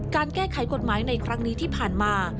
การแก้ไขกฎหมายในครั้งนี้ที่ผ่านมา